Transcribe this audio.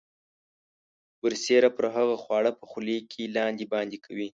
برسیره پر هغه خواړه په خولې کې لاندې باندې کوي.